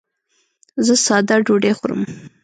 زه ساده ډوډۍ خورم.